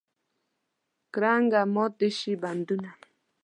کرنګه مات دې شي بندونه.